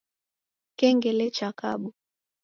Kengele chakabwa